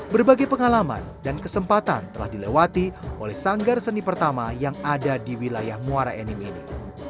berbagai pengalaman dan kesempatan telah dilewati oleh sanggar seni pertama yang ada di wilayah muara enim ini